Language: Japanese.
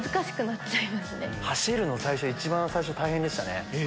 走るの一番最初大変でしたね。